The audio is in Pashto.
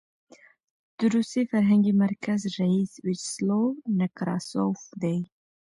د روسي فرهنګي مرکز رییس ویچسلو نکراسوف دی.